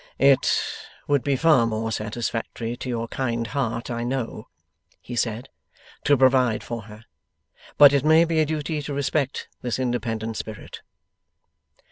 'It would be far more satisfactory to your kind heart, I know,' he said, 'to provide for her, but it may be a duty to respect this independent spirit.